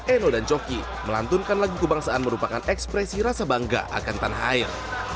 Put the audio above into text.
eno dan coki melantunkan lagu kebangsaan merupakan ekspresi rasa bangga akan tanah air